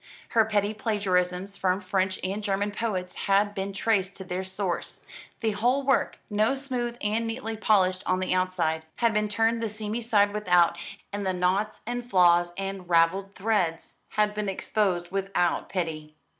Her petty plagiarisms from French and German poets had been traced to their source. The whole work, so smooth and neatly polished on the outside, had been turned the seamy side without, and the knots and flaws and ravelled threads had been exposed without pity.